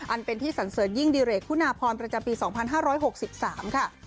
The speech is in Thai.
อันเป็นที่สันเสริญยิ่งดิเรกคุณาพรประจำปี๒๕๖๓ค่ะ